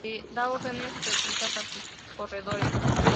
Da ordenes precisas a sus corredores.